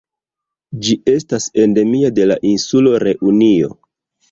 Ĝi estas endemia de la insulo Reunio.